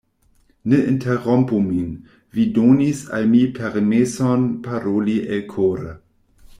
Ne interrompu min; vi donis al mi permeson paroli elkore.